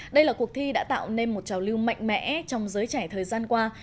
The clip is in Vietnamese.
đây là cuộc thi đã tạo nên một trào lưu mạnh mẽ trong giới trẻ thời gian qua